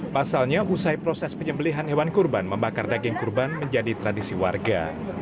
pasalnya usai proses penyembelihan hewan kurban membakar daging kurban menjadi tradisi warga